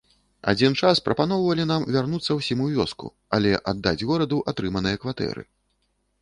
Адзін час прапаноўвалі нам вярнуцца ўсім у вёску, але аддаць гораду атрыманыя кватэры.